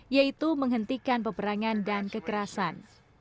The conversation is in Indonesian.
yaitu menghentikan peperangan dan kekerasan